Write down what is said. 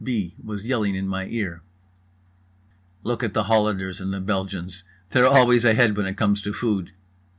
B. was yelling in my ear: "Look at the Hollanders and the Belgians! They're always ahead when it comes to food!"